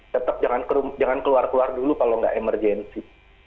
tetap jangan keluar keluar dulu kalau nggak emergensi